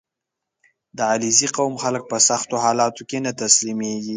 • د علیزي قوم خلک په سختو حالاتو کې نه تسلیمېږي.